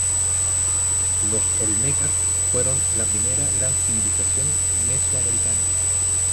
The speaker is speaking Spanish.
Los olmecas fueron la primera gran civilización mesoamericana.